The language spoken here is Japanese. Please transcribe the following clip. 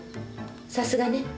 さすがね。